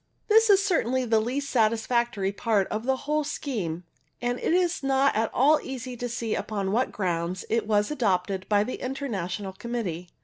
This is certainly the least satisfactory part of the whole scheme, and it is not at all easy to see upon what grounds it was adopted by the Inter national Committee.